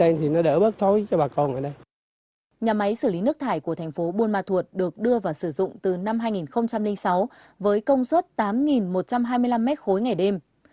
nhà máy xử lý nước thải của thành phố buôn ma thuột được đưa vào sử dụng từ năm hai nghìn sáu với công suất tám một trăm hai mươi năm m ba ngày đêm